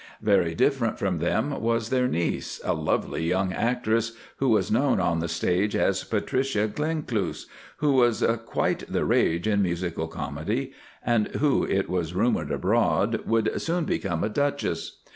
Very different from them was their niece, a lovely young actress, who was known on the stage as Patricia Glencluse, who was quite the rage in musical comedy, and who, it was rumoured abroad, would soon become a Duchess.